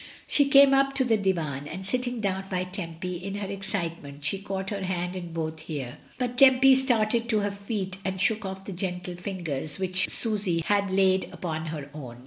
She came up to the divan, and sitting down by Tempy, in her excitement she caught her hand in both hers, but Tempy started to her feet and shook off the gentle fingers which Susy had laid upon her own.